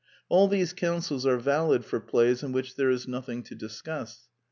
All these counsels are valid for plays in which there is nothing to discuss.